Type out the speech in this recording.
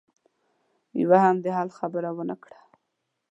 يوه هم د حل خبره ونه کړه.